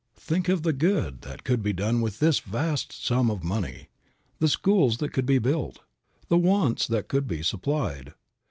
Think of the good that could be done with this vast sum of money; the schools that could be built, the wants that could be supplied.